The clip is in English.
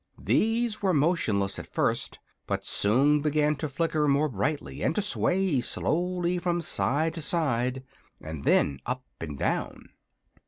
These were motionless at first, but soon began to flicker more brightly and to sway slowly from side to side and then up and down.